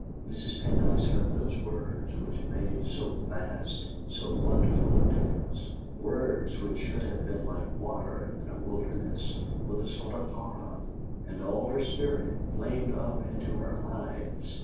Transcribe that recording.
Mrs. Pendyce heard those words, which made so vast, so wonderful a difference words which should have been like water in a wilderness with a sort of horror, and all her spirit flamed up into her eyes.